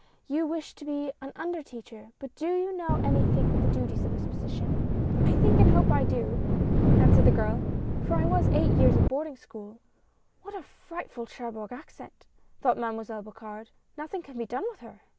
You wish to be an under teacher, but do you know anything of the duties of this position?" " I think and hope I do," answered the girl, " for I was eight years at boarding school." "What a frightful Cherbourg accent!" thought Mademoiselle Bocard; "Nothing can be done with her